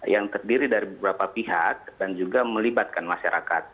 yang terdiri dari beberapa pihak dan juga melibatkan masyarakat